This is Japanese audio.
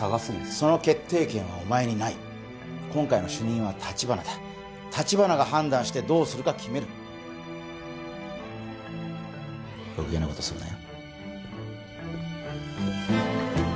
その決定権はお前にない今回の主任は立花だ立花が判断してどうするか決める余計なことするなよ